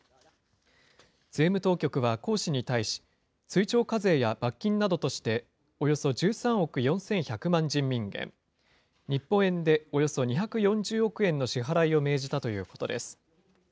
税務当局は黄氏に対し、追徴課税や罰金などとして、およそ１３億４１００万人民元、日本円でおよそ２４０億円の支払いを命じたということです。